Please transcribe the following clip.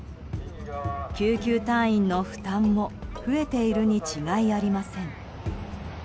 救急隊員の負担も増えているに違いありません。